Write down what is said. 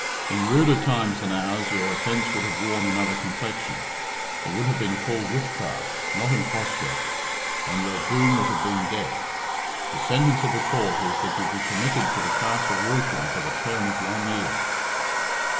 In ruder times than ours your offence would have worn another complexion; it would have been called witchcraft, not imposture, and your doom would have been death. The sentence of the court is that you be committed to the Castle Rushen for the term of one year."